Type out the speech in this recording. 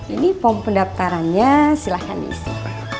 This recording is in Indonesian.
ini pom pendaftarannya silahkan isi